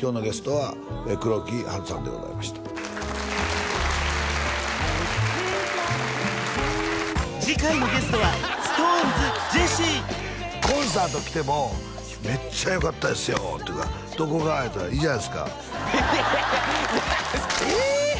今日のゲストは黒木華さんでございました次回のゲストはＳｉｘＴＯＮＥＳジェシーコンサート来ても「めっちゃよかったですよ」って言うから「どこが？」って言うたら「いいじゃないっすか」いやいやえ！